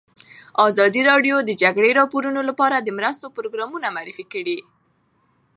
ازادي راډیو د د جګړې راپورونه لپاره د مرستو پروګرامونه معرفي کړي.